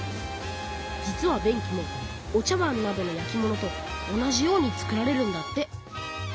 実は便器もお茶わんなどの焼き物と同じように作られるんだって。